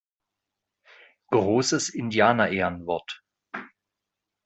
Großes Indianerehrenwort!